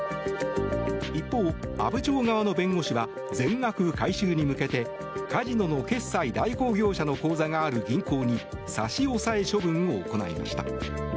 一方、阿武町側の弁護士は全額回収に向けてカジノの決済代行業者の口座がある銀行に差し押さえ処分を行いました。